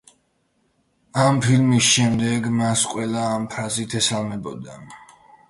ამ ფილმის შემდეგ მას ყველა ამ ფრაზით ესალმებოდა.